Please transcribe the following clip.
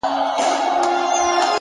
عاجزي د احترام زېرمې زیاتوي.